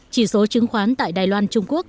chỉ số chứng khoán tại đài loan trung quốc